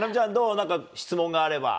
何か質問があれば。